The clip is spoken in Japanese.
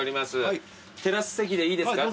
テラス席でいいですか？